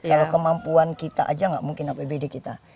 kalau kemampuan kita aja nggak mungkin apbd kita